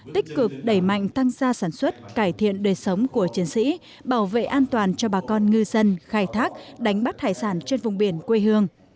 tích cực đẩy mạnh tăng gia sản xuất cải thiện đời sống của chiến sĩ bảo vệ an toàn cho bà con ngư dân khai thác đánh bắt hải sản trên vùng biển quê hương